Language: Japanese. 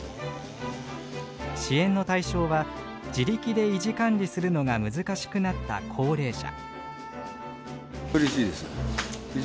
支援の対象は自力で維持管理するのが難しくなった高齢者。